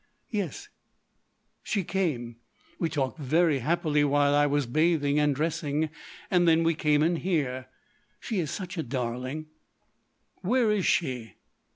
"Yes, she came. We talked very happily while I was bathing and dressing. Then we came in here. She is such a darling!" "Where is she?"